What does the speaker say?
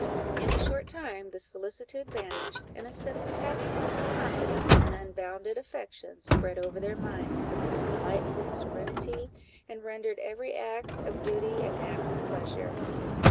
In a short time this solicitude vanished, and a sense of happiness, confidence, and unbounded affection spread over their minds the most delightful serenity, and rendered every act of duty an act of pleasure.